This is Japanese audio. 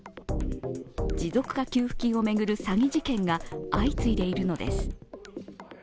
持続化給付金を巡る詐欺事件が相次いでいるのです。